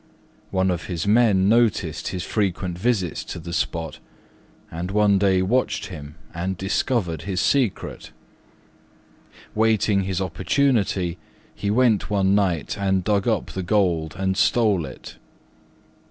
One of his men noticed his frequent visits to the spot, and one day watched him and discovered his secret. Waiting his opportunity, he went one night and dug up the gold and stole it.